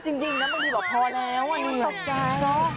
จริงบางทีบอกพอแล้วสตกใจนะ